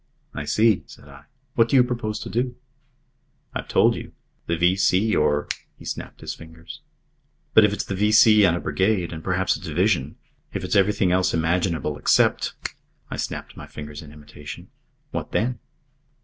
"I see," said I. "What do you propose to do?" "I've told you. The V.C. or " He snapped his fingers. "But if it's the V.C. and a Brigade, and perhaps a Division if it's everything else imaginable except " I snapped my fingers in imitation "What then?"